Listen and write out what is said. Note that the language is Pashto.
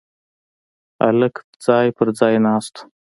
هلک ځای پر ځای ناست و.